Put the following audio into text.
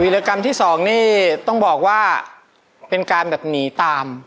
ละกรรมที่๒นี่ต้องบอกว่าเป็นการแบบหนีตาม